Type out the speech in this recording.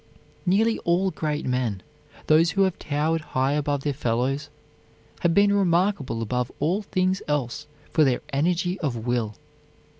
Nearly all great men, those who have towered high above their fellows, have been remarkable above all things else for their energy of will.